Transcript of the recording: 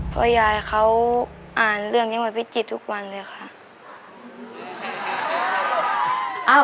เพราะยายเขาอ่านเรื่องนี้มาพิจิตรทุกวันเลยค่ะ